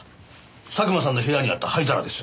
佐久間さんの部屋にあった灰皿です。